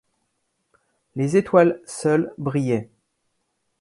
Les étoiles seules brillaient.